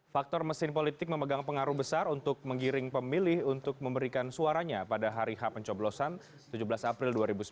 faktor mesin politik memegang pengaruh besar untuk menggiring pemilih untuk memberikan suaranya pada hari h pencoblosan tujuh belas april dua ribu sembilan belas